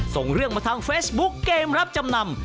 ส่งเรื่องมาทางเฟซบุ๊กเกมรับจำนำ